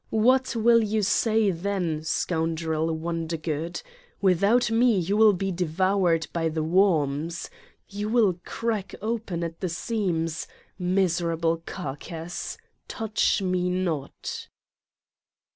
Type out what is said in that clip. "What will you say then, scoundrel Wondergood 1 With out me you will be devoured by the worms. You will crack open at the seams Miserable carcass ! touch me not!